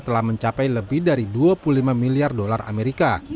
telah mencapai lebih dari dua puluh lima miliar dolar amerika